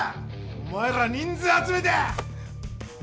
お前ら人数集めて。